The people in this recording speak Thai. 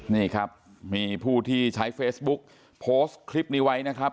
นี่ครับมีผู้ที่ใช้เฟซบุ๊กโพสต์คลิปนี้ไว้นะครับ